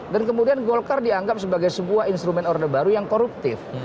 dan kemudian golkar dianggap sebagai sebuah instrumen order baru yang koruptif